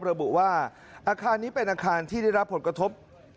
ระบุว่าอาคารนี้เป็นอาคารที่ได้รับผลกระทบ